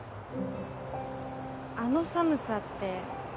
あの寒さって